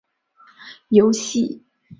游戏